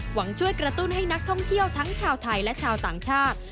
หวังช่วยกระตุ้นให้นักท่องเที่ยวทั้งชาวไทยและชาวต่างชาติ